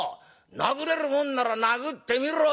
殴れるもんなら殴ってみろい」。